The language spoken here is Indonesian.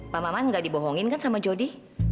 pak maman gak dibohongin kan sama jodi